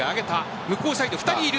向こうサイド、２人いる。